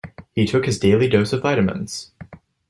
He took his daily dose of vitamins.